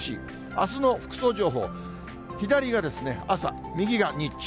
あすの服装情報、左が朝、右が日中。